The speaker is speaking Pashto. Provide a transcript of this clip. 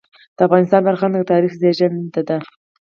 د افغانستان فرهنګ د تاریخ زېږنده دی.